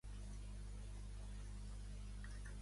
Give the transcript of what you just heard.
Per què és poc viable, però?